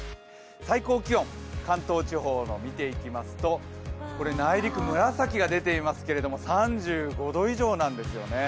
最高気温、関東地方を見ていきますと内陸、紫が出ていますが、３５度以上なんですよね。